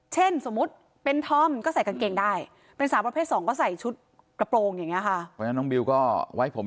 สมมุติเป็นธอมก็ใส่กางเกงได้เป็นสาวประเภทสองก็ใส่ชุดกระโปรงอย่างนี้ค่ะ